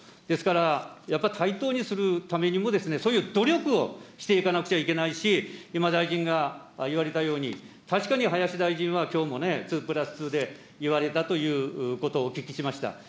ですから、やっぱり対等にするためにも、そういう努力をしていかなくちゃいけないし、今、大臣が言われたように、確かに林大臣はきょうもね、２＋２で言われたということをお聞きしました。